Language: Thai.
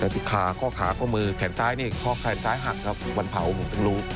พี่ค่าข้าคมือแขนซ้ายนี่ข้าข้างซ้ายหักครับมันเผาหู่รูป